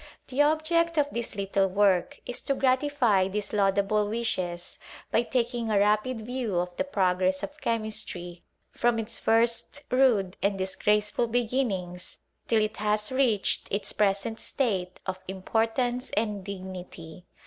The object of this little work is to gratify these laudable wishes, by taking a rapid view of the progress of Chemistry, from its first rude and disgraceful beginnings till it has reached its pre sent state of importance and dignity.